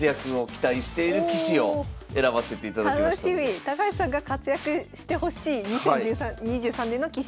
高橋さんが活躍してほしい２０２３年の棋士。